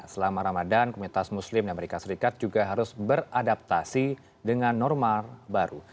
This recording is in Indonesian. selama ramadan komunitas muslim di amerika serikat juga harus beradaptasi dengan normal baru